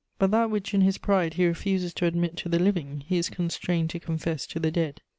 But that which, in his pride, he refuses to admit to the living he is constrained to confess to the dead.